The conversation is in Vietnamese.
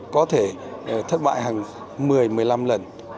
có thể thất bại hàng một mươi một mươi năm lần